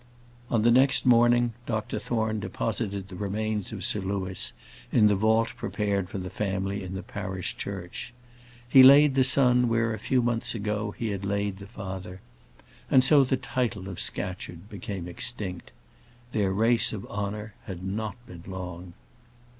On the next morning, Dr Thorne deposited the remains of Sir Louis in the vault prepared for the family in the parish church. He laid the son where a few months ago he had laid the father, and so the title of Scatcherd became extinct. Their race of honour had not been long.